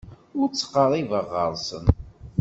Ur ttqerribeɣ ɣer-sen.